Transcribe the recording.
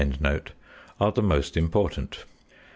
are the most important.